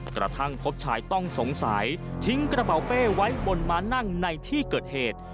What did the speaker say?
กระทั่งพบชายต้องสงสัยทิ้งกระเป๋าเป้ไว้บนม้านั่งในที่เกิดเหตุ